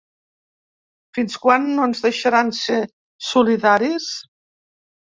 Fins quan no ens deixaran ser solidaris?